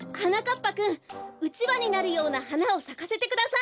ぱくんうちわになるようなはなをさかせてください。